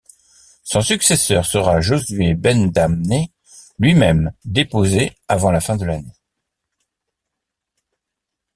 Son successeur sera Josué ben Damnée, lui-même déposé avant la fin de l’année.